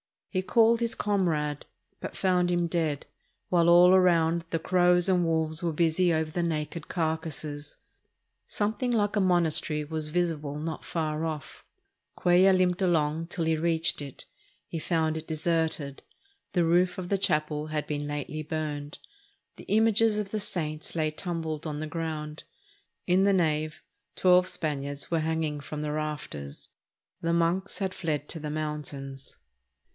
He called his comrade, but found him dead, while all round the crows and wolves were busy over the naked carcasses. Some thing like a monastery was visible not far off. Cuellar Sio CAPTAIN CUELLAR AND HIS TROUBLES limped along till he reached it. He found it deserted. The roof of the chapel had been lately burned. The images of the saints lay tumbled on the ground. In the nave twelve Spaniards were hanging from the rafters. The monks had fled to the mountains.